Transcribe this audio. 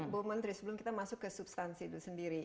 bu menteri sebelum kita masuk ke substansi itu sendiri